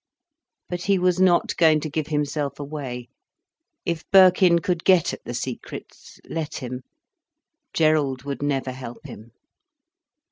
But he was not going to give himself away. If Birkin could get at the secrets, let him. Gerald would never help him.